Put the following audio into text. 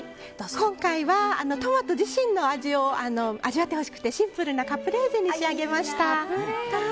今回はトマト自身の味を味わってほしくてシンプルなカプレーゼに仕上げました。